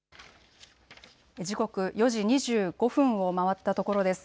時刻４時２５分を回ったところです。